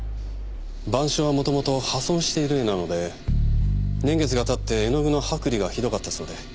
『晩鐘』はもともと破損している絵なので年月が経って絵の具の剥離がひどかったそうで。